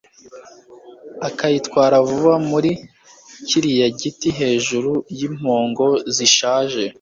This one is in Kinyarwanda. akayitwara vuba muri kiriya giti hejuru yimpongo zishaje